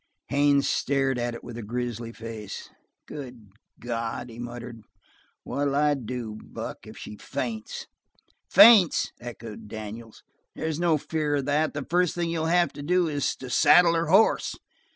Haines stared at it with a grisly face. "Good God," he muttered, "what'll I do, Buck, if she faints?" "Faints?" echoed Daniels, "there's no fear of that! The first thing you'll have to do is to saddle her horse."